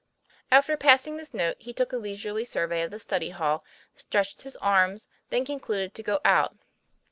After passing this note, he took a leisurely survey of the study hall, stretched his arms; then concluded to go out.